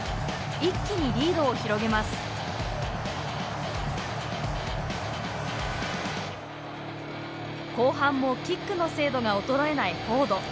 一気にリードを広げます後半もキックの精度が衰えないフォード。